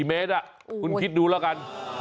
๔เมตรคุณคิดดูแล้วกัน